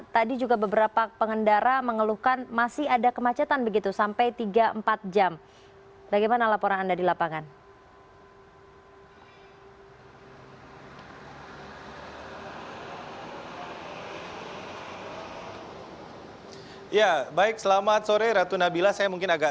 tadi juga beberapa pengendara mengeluhkan masih ada kemacetan begitu sampai tiga empat jam